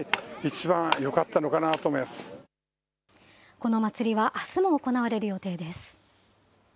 この祭りはあすも行われる予定です。